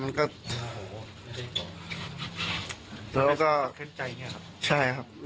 มันก็แล้วก็ครึ่งใจใช่